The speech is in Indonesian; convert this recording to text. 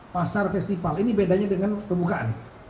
pasar festival ini bedanya dengan pembukaan